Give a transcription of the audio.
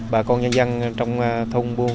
bà con nhân dân trong thông buôn